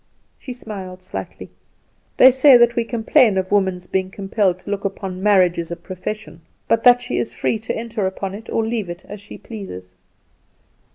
She smiled slightly. "They say that we complain of woman's being compelled to look upon marriage as a profession; but that she is free to enter upon it or leave it, as she pleases.